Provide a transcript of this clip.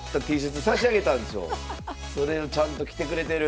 それをちゃんと着てくれてる。